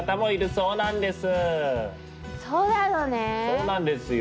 そうなんですよ。